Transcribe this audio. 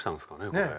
これ。